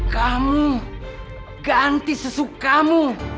kamu ganti sesukamu